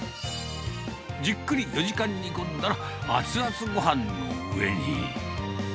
じっくり４時間煮込んだら、熱々ごはんの上に。